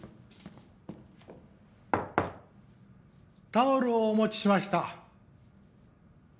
タオルをお持ちしました。